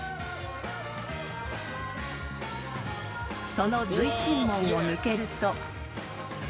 ［その随神門を抜けると］